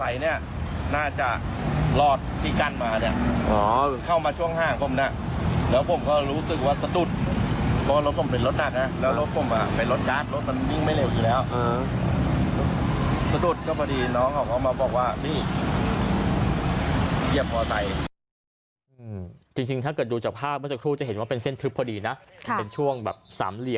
เยี่ยมพอใจ